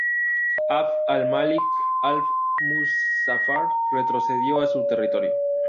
Abd al-Málik al-Muzáffar retrocedió a su territorio.